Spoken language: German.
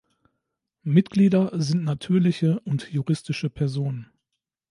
Mitglieder sind natürliche und juristische Personen.